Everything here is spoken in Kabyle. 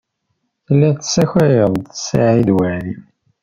Telliḍ tesskayeḍ-d Saɛid Waɛli.